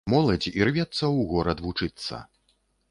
Моладзь ірвецца ў горад вучыцца.